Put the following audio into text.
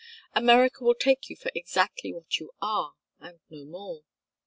America will take you for exactly what you are and no more.